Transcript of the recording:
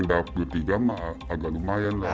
tapi kalau yang dua puluh tiga mah agak lumayan lah